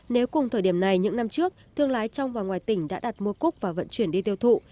nếu cùng thời điểm này những năm trước thương lái trong và ngoài tỉnh đã đặt mua cúc và vận chuyển đi tiêu thụ